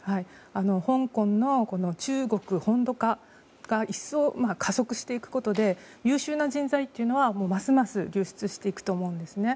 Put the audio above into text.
香港の中国本土化が一層、加速していくことで優秀な人材というのはますます流出していくと思うんですね。